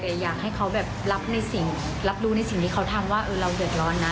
แต่อยากให้เขาแบบรับในสิ่งรับรู้ในสิ่งที่เขาทำว่าเราเดือดร้อนนะ